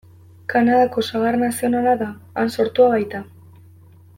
Kanadako sagar nazionala da, han sortua baita.